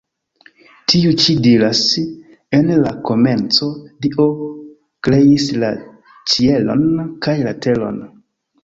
Tiu ĉi diras: “En la komenco Dio kreis la ĉielon kaj la teron.